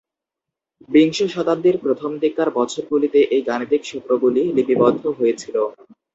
বিংশ শতাব্দীর প্রথম দিককার বছরগুলিতে এই গাণিতিক সূত্রগুলি লিপিবদ্ধ হয়েছিল।